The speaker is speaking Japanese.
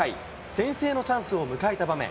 先制のチャンスを迎えた場面。